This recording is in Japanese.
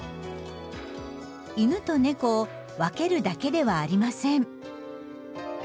犬と猫を分けるだけではありません。